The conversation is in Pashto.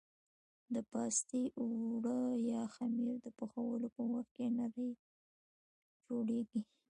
د پاستي اوړه یا خمېره د پخولو په وخت کې نرۍ جوړېږي.